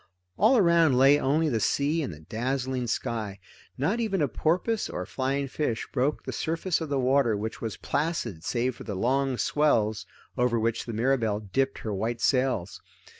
All around lay only the sea and the dazzling sky. Not even a porpoise or flying fish broke the surface of the water which was placid save for the long swells over which the Mirabelle dipped her white sails.